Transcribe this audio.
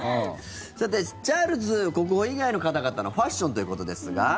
さてチャールズ国王以外の方々のファッションということですが。